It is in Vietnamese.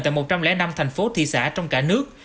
tại một trăm linh năm thành phố thị xã trong cả nước